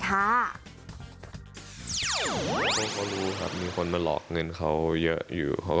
เขาก็รู้ครับมีคนมาหลอกเงินเขาเยอะอยู่